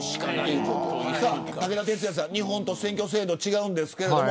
武田鉄矢さん、日本と選挙制度違いますけど。